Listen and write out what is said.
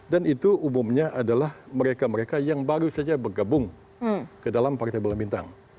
dan itu umumnya adalah mereka mereka yang baru saja bergabung ke dalam partai belam bintang